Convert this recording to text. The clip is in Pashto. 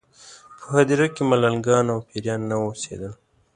په هدیره کې ملنګان او پېران نه اوسېدل.